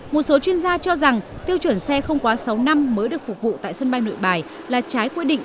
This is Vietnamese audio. một số chuyên gia cho rằng tiêu chuẩn xe không quá sáu năm mới được phục vụ tại sân bay nội bài là trái quy định